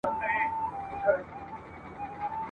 وارخطا دوکانداران او تاجران ول ..